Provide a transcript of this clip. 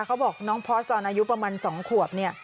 เขาบอกน้องพอสตอนอายุประมาณ๒ขวบเนี่ย